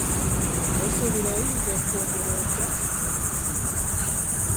Osuubira oyinza kwongera otya omuwendo ku muwogo?